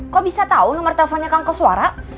kok bisa tahu nomor teleponnya kangkoswara